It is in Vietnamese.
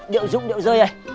điệu dụng điệu rơi đây